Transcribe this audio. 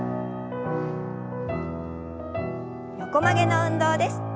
横曲げの運動です。